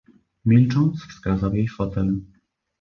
"Milcząc wskazał jej fotel."